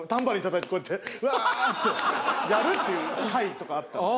こうやってわあ！ってやるっていう会とかあったんです。